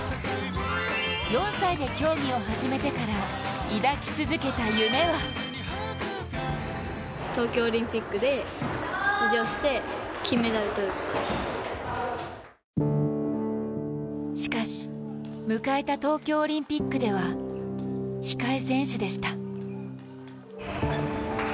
４歳で競技を始めてから抱き続けた夢はしかし、迎えた東京オリンピックでは控え選手でした。